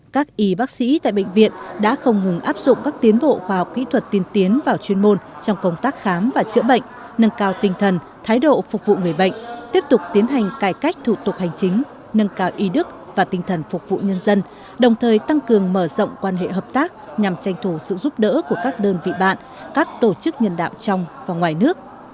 các bác sĩ tại bệnh viện đã không ngừng áp dụng các tiến bộ vào kỹ thuật tiên tiến vào chuyên môn trong công tác khám và chữa bệnh nâng cao tinh thần thái độ phục vụ người bệnh tiếp tục tiến hành cải cách thủ tục hành chính nâng cao y đức và tinh thần phục vụ nhân dân đồng thời tăng cường mở rộng quan hệ hợp tác nhằm tranh thủ sự giúp đỡ của các đơn vị bạn các tổ chức nhân đạo trong và ngoài nước